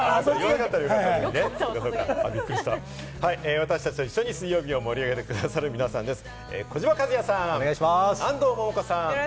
私達と一緒に水曜日を盛り上げてくださる皆さんです。